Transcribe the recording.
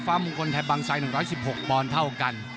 ฟ้ามงคลแถมบางไซค์๑๑๖บอลเท่ากัน